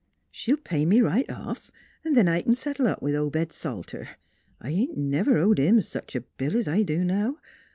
She'll pay me right off, 'n' then I c'n settle up with Obed Salter. I ain't never owed him sech a bill 's I do now.